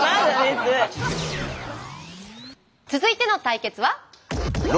続いての対決は。